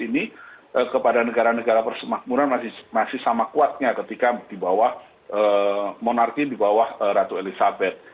ini kepada negara negara persemakmuran masih sama kuatnya ketika di bawah monarki di bawah ratu elizabeth